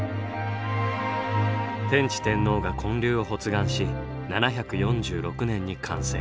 天智天皇が建立を発願し７４６年に完成。